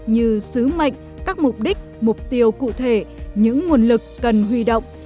như sứ mệnh các mục đích mục tiêu cụ thể những nguồn lực cần huy động